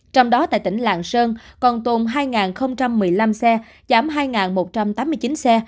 trong đó tại tỉnh lạng sơn còn tồn hai một mươi năm xe giảm hai một trăm tám mươi chín xe